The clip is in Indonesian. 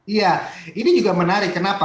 iya ini juga menarik kenapa